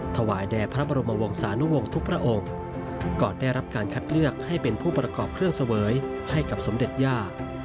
ถวายแด่พระบรมวงศานุวงศ์ทุกพระองค์ก่อนได้รับการคัดเลือกให้เป็นผู้ประกอบเครื่องเสวยให้กับสมเด็จย่า